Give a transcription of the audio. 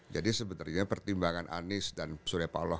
jadi sebenarnya pertimbangan anies dan surya pauloh